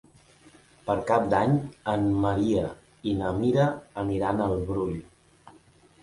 Per Cap d'Any en Maria i na Mira aniran al Brull.